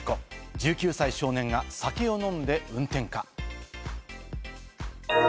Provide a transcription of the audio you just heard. １９歳少年が酒を飲んで運転か。